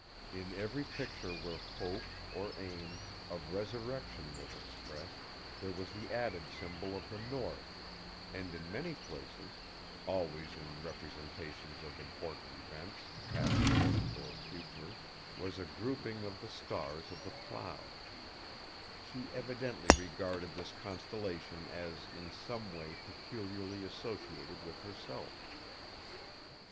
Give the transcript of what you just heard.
In every picture where hope, or aim, of resurrection was expressed there was the added symbol of the North; and in many places—always in representations of important events, past, present, or future—was a grouping of the stars of the Plough. She evidently regarded this constellation as in some way peculiarly associated with herself.